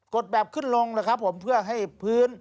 ดแบบขึ้นลงเลยครับผมเพื่อให้พื้น